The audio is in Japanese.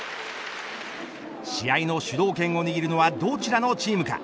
試合の主導権を握るのはどちらのチームか。